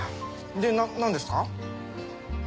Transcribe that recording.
で何ですか？